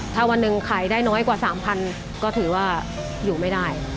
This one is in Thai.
ถ้าวันหนึ่งขายได้น้อยกว่า๓๐๐ก็ถือว่าอยู่ไม่ได้